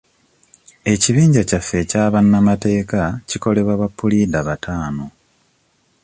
Ekibinja kyaffe ekya bannamateeka kikolebwa ba puliida bataano.